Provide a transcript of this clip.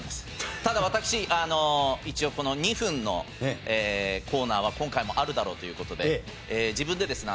ただ私一応この２分のコーナーは今回もあるだろうという事で自分でですね